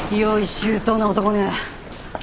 周到な男ね。